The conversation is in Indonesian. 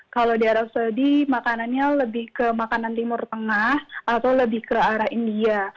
kalau di arab saudi makanannya lebih ke makanan timur tengah atau lebih ke arah india